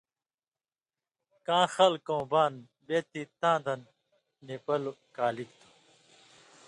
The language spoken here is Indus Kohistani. گاں خلکؤں بان:”بے تی، تاں دن، نِپلوۡ کالِگ تھہ؛